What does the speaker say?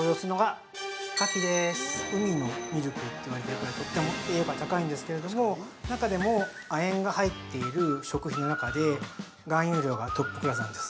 海のミルクって呼ばれてるぐらいとっても栄養価が高いんですけれども中でも亜鉛が入っている食品の中で含有量がトップクラスなんです。